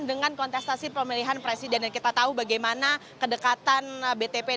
dengan kontestasi pemilihan presiden dan kita tahu bagaimana kedekatan btp